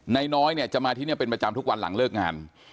นายน้อยเนี่ยจะมาที่นี่เป็นประจำทุกวันหลังเลิกงาน